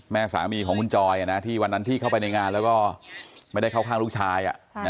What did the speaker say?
แม่สามีของคุณจอยที่วันนั้นที่เข้าไปในงานแล้วก็ไม่ได้เข้าข้างลูกชาย